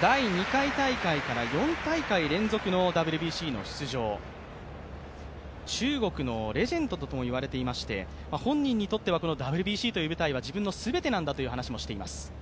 第２回大会から４大会連続のＷＢＣの出場、中国のレジェンドともいわれていまして本人にとってはＷＢＣという舞台は自分の全てなんだという話もしています。